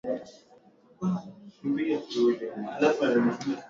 Mariam ni msichana